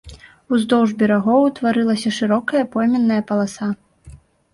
Уздоўж берагоў утварылася шырокая пойменная паласа.